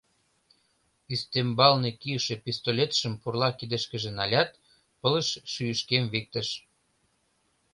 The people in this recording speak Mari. Ӱстембалне кийыше пистолетшым пурла кидышкыже налят, пылыш шӱйышкем виктыш.